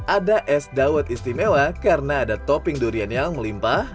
ada es dawet istimewa karena ada topping durian yang melimpah